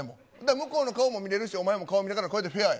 向こうの顔も見れるし、お前も顔が見れるから、これでフェアや。